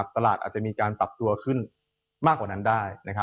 อาจจะมีการปรับตัวขึ้นมากกว่านั้นได้